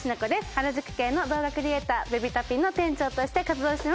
原宿系の動画クリエイターベビタピの店長として活動してます